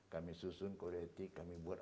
kami susun kode etik kami buat